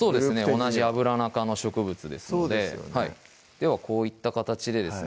同じアブラナ科の植物ですのでではこういった形でですね